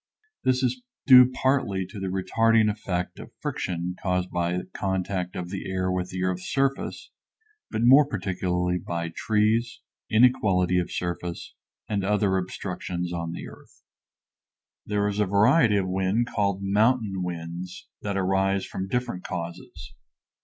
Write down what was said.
This is due partly to the retarding effect of friction caused by contact of the air with the earth's surface, but more particularly by trees, inequality of surface, and other obstructions on the earth. There is a variety of wind called mountain winds that arise from different causes.